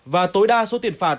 và tối đa số tiền phạt